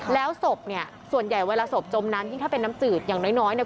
แล้วศพเนี่ยส่วนใหญ่เวลาศพจมน้ำยิ่งถ้าเป็นน้ำจืดอย่างน้อยเนี่ย